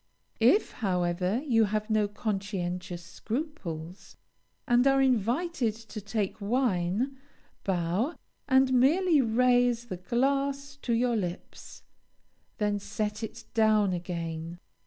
If, however, you have no conscientious scruples, and are invited to take wine, bow, and merely raise the glass to your lips, then set it down again.